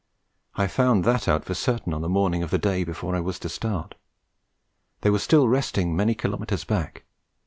I found that out for certain on the morning of the day before I was to start. They were still resting many kilometres back.